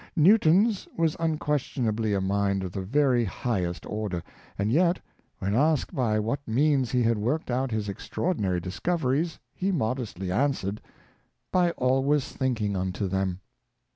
Newton's was unquestionably a mind of the very highest order, and yet, when asked by what means he had worked out his extraordinary discoveries, he mod estly answered, '^ by always thinking unto them."